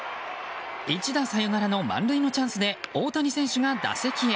一打サヨナラの満塁のチャンスで大谷選手が打席へ。